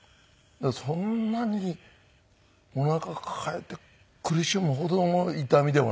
そんなにおなか抱えて苦しむほどの痛みでもなかったんで。